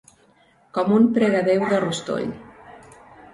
Com un pregadeu de rostoll.